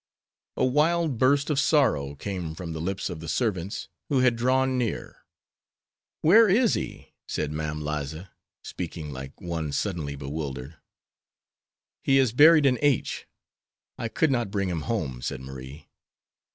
A wild burst of sorrow came from the lips of the servants, who had drawn near. "Where is he?" said Mam Liza, speaking like one suddenly bewildered. "He is buried in H . I could not bring him home," said Marie.